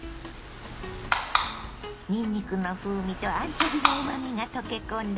にんにくの風味とアンチョビのうまみが溶け込んだ